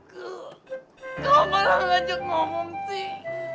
kau malah banyak ngomong sih